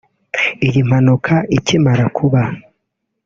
Iyi mpanuka ikimara kuba